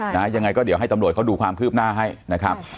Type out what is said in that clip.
ยังไงก็เดี๋ยวให้ตำรวจเขาดูความคืบหน้าให้นะครับ